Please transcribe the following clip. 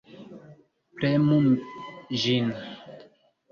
Premu ĝin.